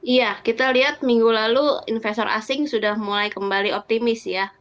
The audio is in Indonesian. iya kita lihat minggu lalu investor asing sudah mulai kembali optimis ya